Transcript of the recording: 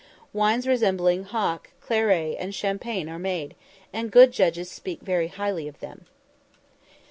Wines resembling hock, claret, and champagne are made, and good judges speak very highly of them.